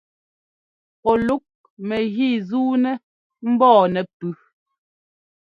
Ɔ lúk mɛgǐ zuunɛ mbɔɔ nɛ́pʉ́.